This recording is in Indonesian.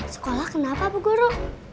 sekolah kenapa bu guru